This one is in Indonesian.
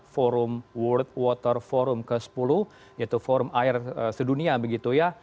forum world water forum ke sepuluh yaitu forum air sedunia begitu ya